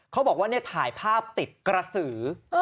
เขาบอกว่าถ่ายภาพติดกระสือ